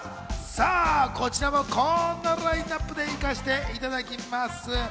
こちらもこんなラインナップでいかしていただきます。